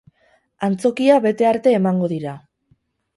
Antzokia bete arte emango dira.